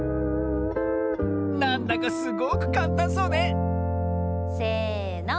なんだかすごくかんたんそうねせの。